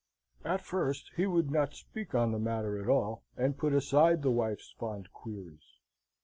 At first he would not speak on the matter at all, and put aside the wife's fond queries.